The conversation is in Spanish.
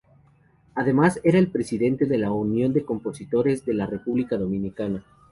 Además era el presidente de la Unión de Compositores de la República Dominicana.